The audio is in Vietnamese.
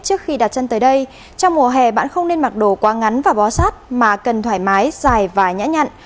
trước khi đặt chân tới đây trong mùa hè bạn không nên mặc đồ quá ngắn và bó sát mà cần thoải mái dài và nhã nhặn